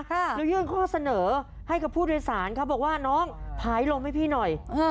แล้วยื่นข้อเสนอให้กับผู้โดยสารเขาบอกว่าน้องพายลมให้พี่หน่อย